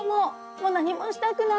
もう何もしたくない！